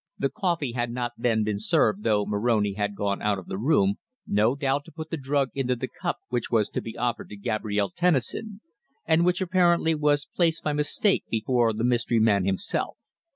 The coffee had not then been served though Moroni had gone out of the room, no doubt to put the drug into the cup which was to be offered to Gabrielle Tennison, and which apparently was placed by mistake before the mystery man himself.